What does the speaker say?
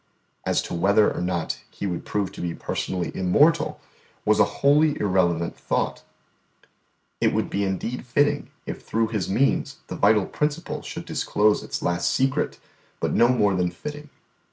As to whether or no He would prove to be personally immortal was an wholly irrelevant thought; it would be indeed fitting if through His means the vital principle should disclose its last secret; but no more than fitting.